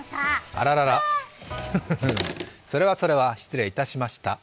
あららら、それはそれは失礼いたしました。